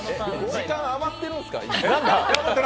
時間余っているんですか？